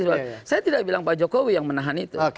saya tidak bilang pak jokowi yang menahan itu